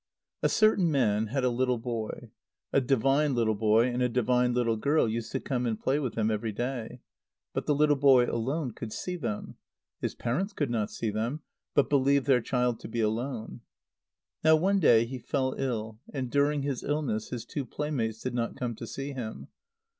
_ A certain man had a little boy. A divine little boy and a divine little girl used to come and play with him every day. But the little boy alone could see them. His parents could not see them, but believed their child to be alone. Now one day he fell ill, and during his illness his two playmates did not come to see him.